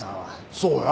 そうや。